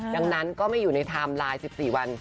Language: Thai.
ดังนั้นก็ไม่อยู่ในไทม์ไลน์๑๔วัน